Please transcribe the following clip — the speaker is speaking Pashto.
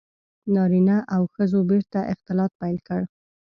• نارینه او ښځو بېرته اختلاط پیل کړ.